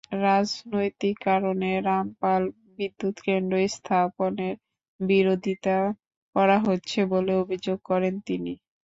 রাজনৈতিক কারণে রামপাল বিদ্যুৎকেন্দ্র স্থাপনের বিরোধিতা করা হচ্ছে বলে অভিযোগ করেন তিনি।